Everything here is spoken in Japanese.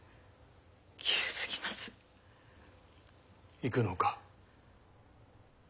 行くのか？